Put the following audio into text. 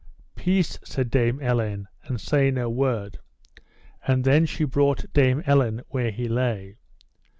Peace, said Dame Elaine, and say no word: and then she brought Dame Elaine where he lay.